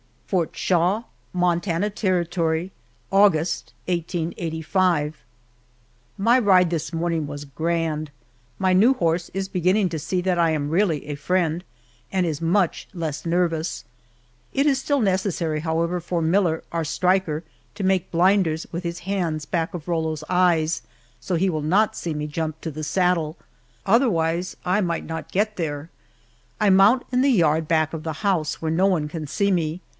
FORT SHAW, MONTANA TERRITORY, August, 1885. MY ride this morning was grand! My new horse is beginning to see that I am really a friend, and is much less nervous. It is still necessary, however, for Miller, our striker, to make blinders with his hands back of Rollo's eyes so he will not see me jump to the saddle, otherwise I might not get there. I mount in the yard back of the house, where no one can see me.